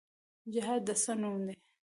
جهاد د څه نوم دی؟